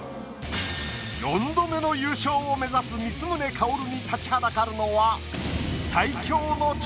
４度目の優勝を目指す光宗薫に立ちはだかるのは。